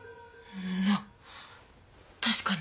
まっ確かに。